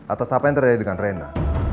atas apa yang terjadi dengan renda